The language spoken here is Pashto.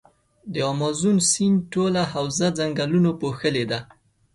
د مازون سیند ټوله حوزه ځنګلونو پوښلي ده.